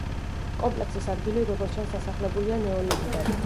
კომპლექსის ადგილი, როგორც ჩანს დასახლებულია ნეოლითიდან.